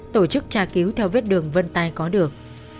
tổ chức tra cứu theo vết đường vân tay có được